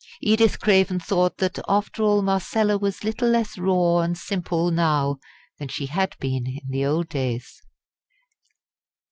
Edith Craven thought that after all Marcella was little less raw and simple now than she had been in the old days.